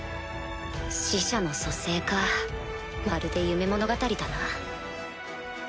死者の蘇生かまるで夢物語だな。